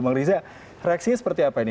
bang riza reaksinya seperti apa ini